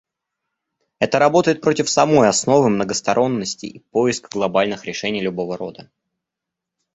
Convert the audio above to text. Это работает против самой основы многосторонности и поиска глобальных решений любого рода.